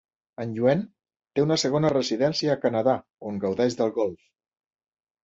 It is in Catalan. En Yuen té una segona residència a Canadà on gaudeix del golf.